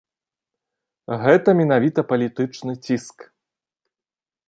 Гэта менавіта палітычны ціск.